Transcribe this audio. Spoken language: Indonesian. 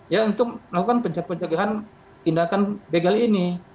ya untuk melakukan pencegahan tindakan begal ini